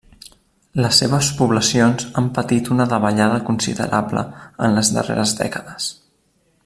Les seves poblacions han patit una davallada considerable en les darreres dècades.